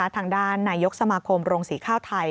ทางด้านนายกสมาคมโรงสีข้าวไทย